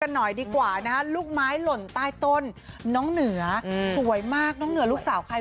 กันหน่อยดีกว่านะฮะลูกไม้หล่นใต้ต้นน้องเหนือสวยมากน้องเหนือลูกสาวใคร